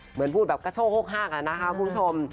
เหมือนพูดแบบกระโทรหกห้ากันนะครับคุณผู้ชม